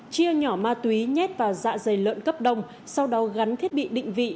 chia nhỏ ma tùy nhét vào dạ dày lợn cấp đông sau đó gắn thiết bị định vị